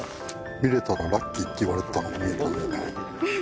見れたらラッキーっていわれてたのが見れたね。